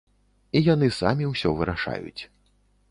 І яны самі ўсё вырашаюць.